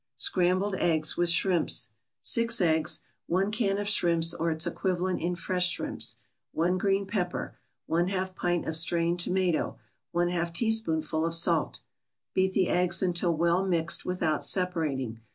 SCRAMBLED EGGS WITH SHRIMPS 6 eggs 1 can of shrimps or its equivalent in fresh shrimps 1 green pepper 1/2 pint of strained tomato 1/2 teaspoonful of salt Beat the eggs until well mixed, without separating.